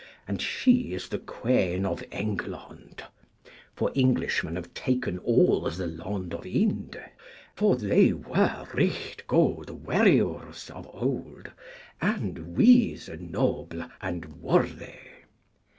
And she is the Queen of Englond; for Englishmen have taken all the Lond of Ynde. For they were right good werryoures of old, and wyse, noble, and worthy.